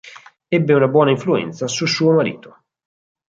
Ebbe una buona influenza su suo marito.